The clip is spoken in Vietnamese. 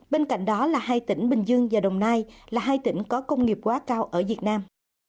bên cạnh đó là hai tỉnh bình dương và đồng nai là hai tỉnh có công nghiệp quá cao ở việt nam